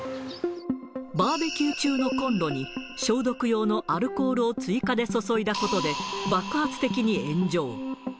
バーベキュー中のコンロに消毒用のアルコールを追加で注いだことで、爆発的に炎上。